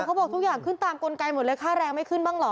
เขาบอกทุกอย่างขึ้นตามกลไกหมดเลยค่าแรงไม่ขึ้นบ้างเหรอ